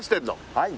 はい。